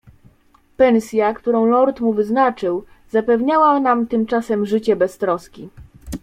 "Pensja, którą lord mu wyznaczył, zapewniała nam tymczasem życie bez troski."